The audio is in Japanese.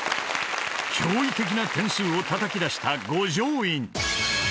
［驚異的な点数をたたき出した五条院］